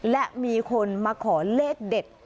และมีคนมาขอเลขเด็ด